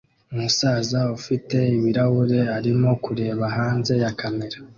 Umusaza ufite ibirahure arimo kureba hanze ya kamera